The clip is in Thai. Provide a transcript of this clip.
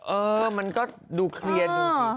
เออมันก็ดูเคลียน